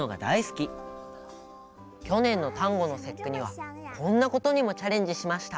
きょねんの端午の節句にはこんなことにもチャレンジしました。